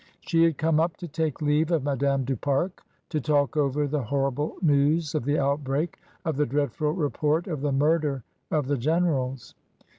She had come up to take leave of Madame du Pare, to talk over the horrible news of the outbreak, of the dreadful report of the murder of the generals.